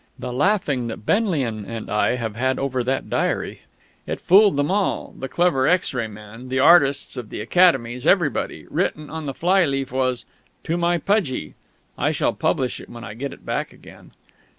The laughing that Benlian and I have had over that diary! It fooled them all the clever X ray men, the artists of the academies, everybody! Written on the fly leaf was "To My Pudgie." I shall publish it when I get it back again.